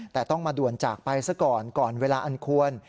แต่ต้องมาด่วนจากไปซะก่อนก่อนเวลาอันควร